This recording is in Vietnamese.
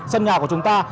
sân nhà của chúng ta